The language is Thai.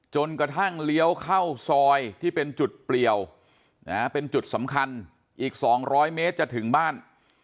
จนกระทั่งเลี้ยวเข้าซอยที่เป็นจุดเปลี่ยวเป็นจุดสำคัญอีก๒๐๐เมตรจะถึงบ้าน